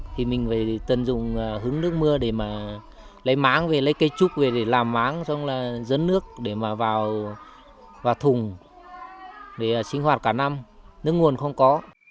thì mình phải tận dụng hứng nước mưa để mà lấy máng về lấy cây trúc về để làm máng xong là dấn nước để mà vào thùng để sinh hoạt cả năm nước nguồn không có